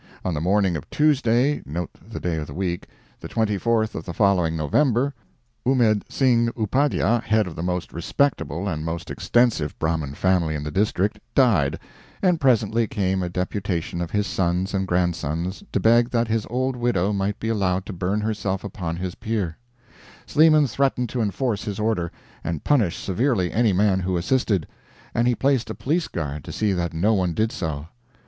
On the morning of Tuesday note the day of the week the 24th of the following November, Ummed Singh Upadhya, head of the most respectable and most extensive Brahmin family in the district, died, and presently came a deputation of his sons and grandsons to beg that his old widow might be allowed to burn herself upon his pyre. Sleeman threatened to enforce his order, and punish severely any man who assisted; and he placed a police guard to see that no one did so.